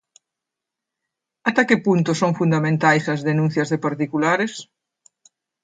Até que punto son fundamentais as denuncias de particulares?